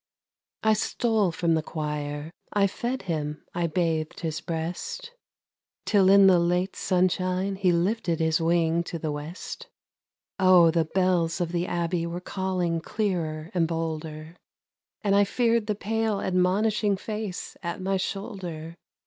I stole from the choir; I fed him, I bathed his breast, Till in late sunshine he lifted his wing to the west. Oh, the bells of the Abbey were calling clearer and bolder, And I feared the pale admonishing face at my shoulder.